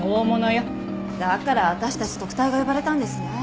だから私たち特対が呼ばれたんですね。